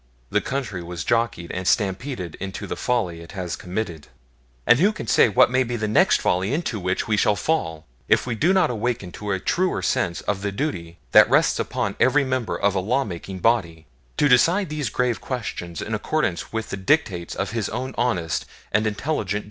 The country was jockeyed and stampeded into the folly it has committed; and who can say what may be the next folly into which we shall fall, if we do not awaken to a truer sense of the duty that rests upon every member of a lawmaking body to decide these grave questions in accordance with the dictates of his own honest and intelligent judgment?